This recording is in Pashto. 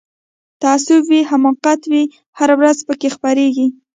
تعصب وي حماقت وي هره ورځ پکښی خپریږي